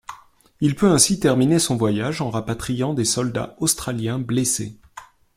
Il peut ainsi terminer son voyage, en rapatriant des soldats australiens blessés.